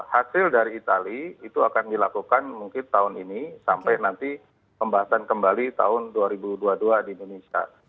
hasil dari itali itu akan dilakukan mungkin tahun ini sampai nanti pembahasan kembali tahun dua ribu dua puluh dua di indonesia